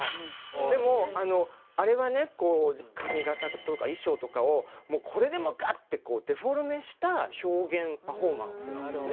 でもあのあれはねこう髪型とか衣装とかをもうこれでもかってこうデフォルメした表現パフォーマンスなのね。